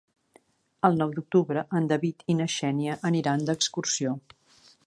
El nou d'octubre en David i na Xènia aniran d'excursió.